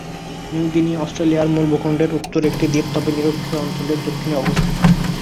New Guinea Australian মূল ভূখণ্ডের উত্তরে একটি দ্বীপ, তবে নিরক্ষীয় অঞ্চলের দক্ষিণে অবস্থিত।